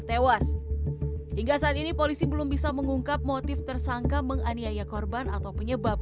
tewas hingga saat ini polisi belum bisa mengungkap motif tersangka menganiaya korban atau penyebab